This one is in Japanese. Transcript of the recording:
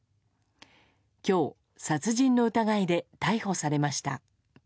今日、殺人の疑いで逮捕されました。